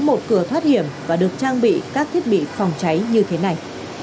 mỗi tầng có một cửa thoát hiểm và được trang bị các thiết bị phòng cháy như thế này